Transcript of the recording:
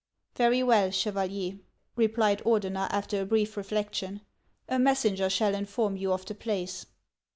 " Very well, Chevalier," replied Ordener, after a brief reflection ;" a messenger shall inform you of the place."